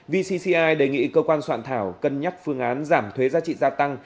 vcci đề nghị cơ quan soạn thảo cân nhắc phương án giảm thuế giá trị gia tăng